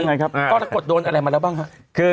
ก็เรากดโดนอะไรมาแล้วบ้างค่ะ